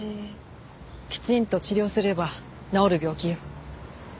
きちんと治療すれば治る病気よ。